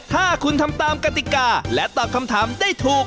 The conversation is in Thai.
ถ้าคุณทำตามกติกาและตอบคำถามได้ถูก